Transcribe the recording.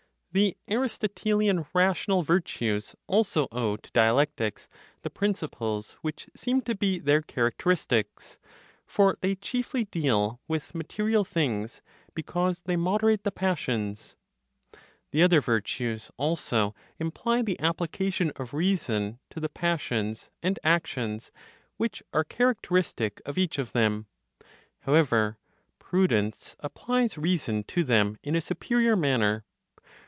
The (Aristotelian) rational virtues also owe to dialectics the principles which seem to be their characteristics; for they chiefly deal with material things (because they moderate the passions). The other virtues also imply the application of reason to the passions and actions which are characteristic of each of them. However, prudence applies reason to them in a superior manner.